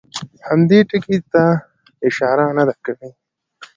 هم دې ټکي ته اشاره نه ده کړې.